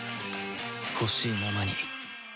ほしいままに